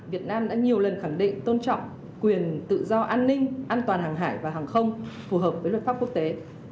việt nam đã nhiều lần khẳng định tôn trọng quyền tự do an ninh an toàn hàng hải và hàng không phù hợp với luật pháp quốc tế